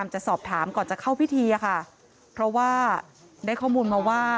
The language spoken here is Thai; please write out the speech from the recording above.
จะสอบถามก่อนจะเข้าพิธีอะค่ะเพราะว่าได้ข้อมูลมาว่า